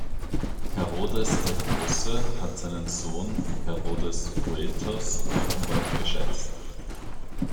Herodes der Große hat seinen Sohn Herodes Boethos offenbar geschätzt.